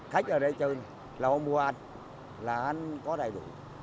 khách ở đây chơi là không mua ăn là ăn có đầy đủ